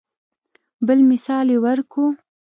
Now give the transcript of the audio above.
بل مثال مې ورکو.